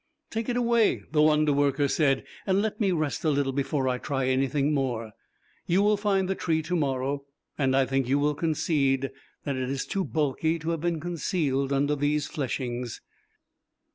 "Take it away," the wonder worker said, "and let me rest a little before I try anything more. You will find the tree to morrow, and I think you will concede that it is too bulky to have been concealed under these fleshings.